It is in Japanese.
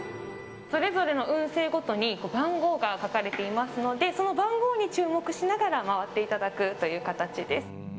それぞれの運勢ごとに番号が書かれていますのでその番号に注目しながら回っていただく形です。